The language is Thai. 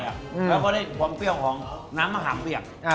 แล้วก็ได้ความเปรี้ยวของน้ำมะขามเปียก